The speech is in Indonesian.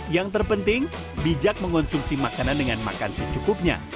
yang terpenting bijak mengonsumsi makanan dengan makan secukupnya